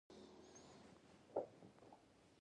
• ته د زړه پر تخت ناست احساس یې.